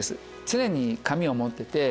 常に紙を持ってて。